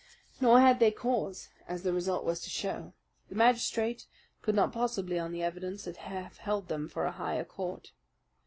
Nor had they cause, as the result was to show. The magistrate could not possibly, on the evidence, have held them for a higher court.